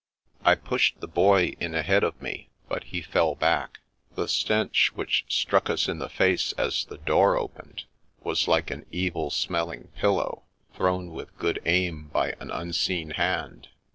I pushed the Boy in ahead of me, but he fell back. The stench which struck us in the face as the door opened was like an evil smelling pillow, thrown with good aim by an unseen hand.